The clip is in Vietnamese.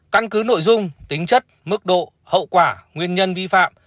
căn cứ nội dung tính chất mức độ hậu quả nguyên nhân vi phạm